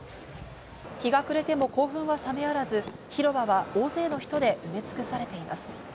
日が暮れても興奮は冷めやらず広場は大勢の人で埋め尽くされています。